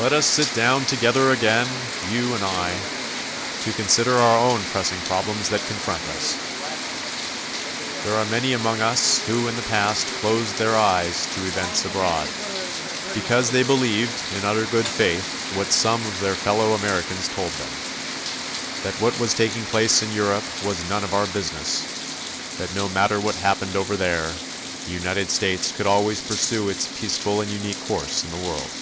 Let us sit down together again, you and I, to consider our own pressing problems that confront us. There are many among us who in the past closed their eyes to events abroad because they believed in utter good faith what some of their fellow Americans told them that what was taking place in Europe was none of our business; that no matter what happened over there, the United States could always pursue its peaceful and unique course in the world.